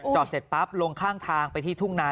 เสร็จปั๊บลงข้างทางไปที่ทุ่งนา